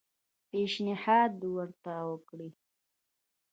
پېشنهاد ورته وکړ.